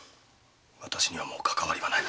私にはもうかかわりはない。